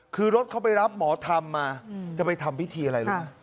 คือรถเข้าไปรับหมอทำมาจะไปทำพิธีอะไรเลยนะ